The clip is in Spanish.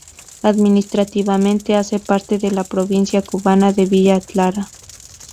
Administrativamente hace parte de la provincia cubana de Villa Clara.